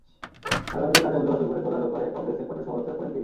পার্লামেন্টে কার্যাবলী অচল করে তোলার ব্যাপারে কংগ্রেসের কঠোর সমালোচনা করেন তিনি।